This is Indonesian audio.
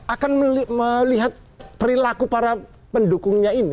akan melihat perilaku para pendukungnya ini